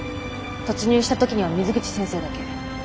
突入した時には水口先生だけ。